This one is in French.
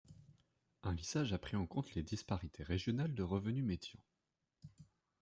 Un lissage a pris en compte les disparités régionales de revenu médian.